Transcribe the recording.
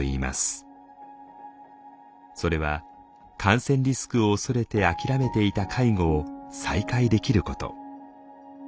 それは感染リスクを恐れて諦めていた介護を再開できること。